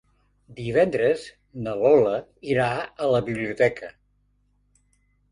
Divendres na Lola irà a la biblioteca.